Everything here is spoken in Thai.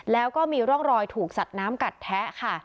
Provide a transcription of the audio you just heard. แล้วก็มีร่องรอยถูกสัดน้ำกัดแทะค่ะ